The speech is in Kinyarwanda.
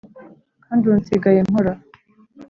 kandi ubu nsigaye nkora